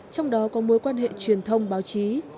trong đó có mối quan hệ truyền thông báo chí